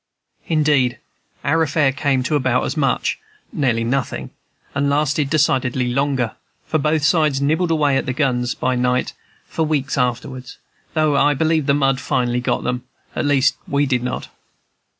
Indeed, our affair came to about as much, nearly nothing, and lasted decidedly longer; for both sides nibbled away at the guns, by night, for weeks afterward, though I believe the mud finally got them, at least, we did not.